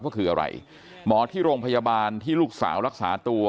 ก็คืออะไรหมอที่โรงพยาบาลที่ลูกสาวรักษาตัว